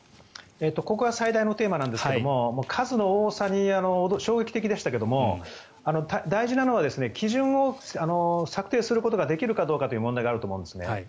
ここは最大のテーマなんですが数の多さが衝撃的でしたが大事なのは基準を策定することができるかという問題があると思うんです。